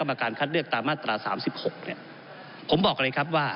ผมอภิปรายเรื่องการขยายสมภาษณ์รถไฟฟ้าสายสีเขียวนะครับ